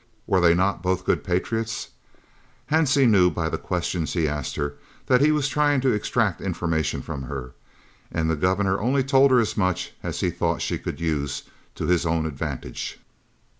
Were they not both good patriots? Hansie knew by the questions he asked her that he was trying to extract information from her, and the Governor only told her as much as he thought she could use to his own advantage.